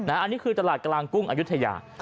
อันนี้คือตลาดกลางกุ้งอายุทยา